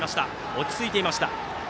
落ち着いていました。